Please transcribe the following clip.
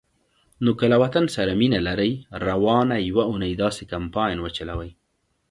نو که له وطن سره مینه لرئ، روانه یوه اونۍ داسی کمپاین وچلوئ